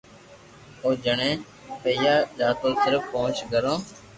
او جڻي پينوا جاتو تو صرف پئنچ گھرو